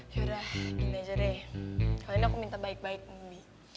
yaudah gini aja re kali ini aku minta baik baik bi